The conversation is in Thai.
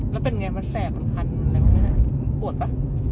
แล้วเป็นไงมันแสบมันคันแล้วปวดปะ